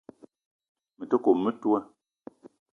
Me te kome metoua